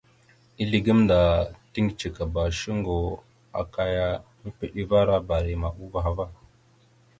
Ezle gamənda tiŋgəcekaba shuŋgo aka ya mepeɗevara barima uvah ava.